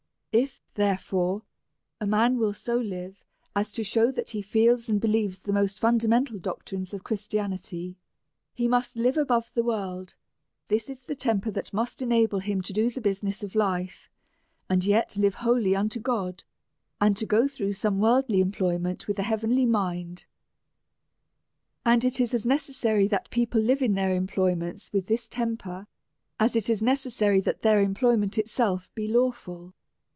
If, therefore, a man will so live as to shew that he feels and believes the most fundamental doctrines of Christianity, he must live above the world ; this is the temper that must en able him to do the business of life, and vet live wholly d3 38 A S ERIOUS CALL TO A unto God, and go through some worldly employment with a heavenly mind. And it is as necessary that people live in their employments with this temper, as it is necessary that their employment itself be lawful.